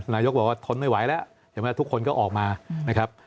นายกบอกว่าทนไม่ไหวแล้วเห็นไหมทุกคนก็ออกมานะครับ